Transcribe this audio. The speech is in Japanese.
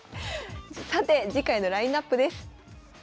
さて次回のラインナップです。